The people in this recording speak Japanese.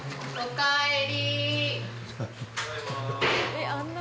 おかえり。